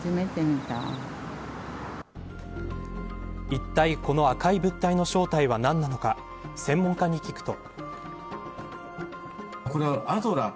いったい、この赤い物体の正体は何なのか専門家に聞くと。